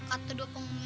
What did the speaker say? kata dua pengumis itu